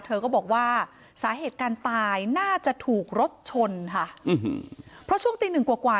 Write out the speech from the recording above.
เธอก็บอกว่าสาเหตุการตายน่าจะถูกรถชนค่ะเพราะช่วงตีหนึ่งกว่ากว่า